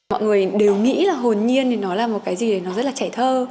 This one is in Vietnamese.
mọi người đều nghĩ là hồn nhiên thì nó là một cái gì nó rất là trẻ thơ